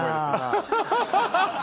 ハハハハ。